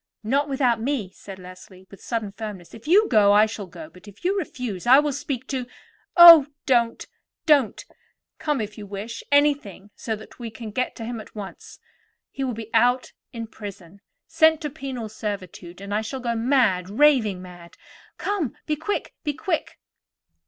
"Not without me," said Leslie with sudden firmness. "If you go, I shall go; but if you refuse, I will speak to——" "Oh, don't! don't! come if you wish; anything, so that we get to him at once. He will be put in prison, sent to penal servitude; and I shall go mad, raving mad. Come; be quick, be quick!"